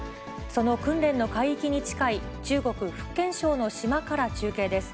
その訓練の海域に近い中国・福建省の島から中継です。